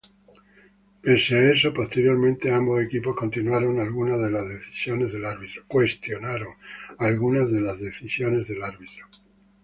Pese a eso, posteriormente ambos equipos cuestionaron algunas de las decisiones del árbitro.